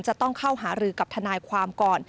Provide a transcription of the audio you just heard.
จะต้องเข้าหารือกับทนายความก่อน